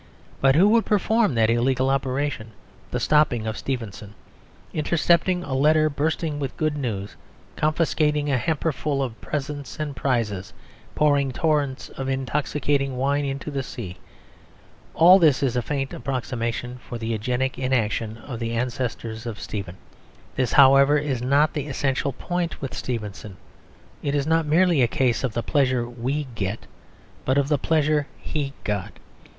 But who would perform that illegal operation: the stopping of Stevenson? Intercepting a letter bursting with good news, confiscating a hamper full of presents and prizes, pouring torrents of intoxicating wine into the sea, all this is a faint approximation for the Eugenic inaction of the ancestors of Stevenson. This, however, is not the essential point; with Stevenson it is not merely a case of the pleasure we get, but of the pleasure he got.